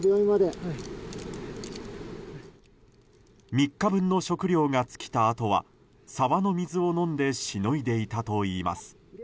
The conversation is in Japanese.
３日分の食料が尽きたあとは沢の水を飲んでしのいでいたといいます。